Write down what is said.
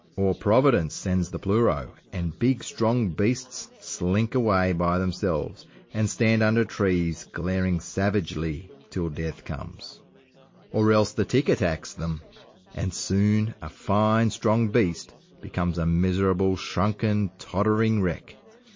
Or Providence sends the pleuro, and big strong beasts slink away by themselves, and stand under trees glaring savagely till death comes. Or else the tick attacks them, and soon a fine, strong beast becomes a miserable, shrunken, tottering wreck.